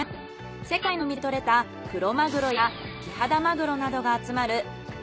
世界の海で獲れたクロマグロやキハダマグロなどが集まる。